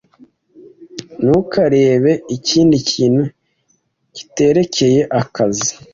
Ntukarebe ikindi kintu kiterekeye akazi.